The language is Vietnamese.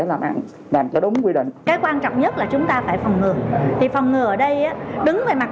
làm cho đúng quy định cái quan trọng nhất là chúng ta phải phòng ngừa thì phòng ngừa ở đây đứng về mặt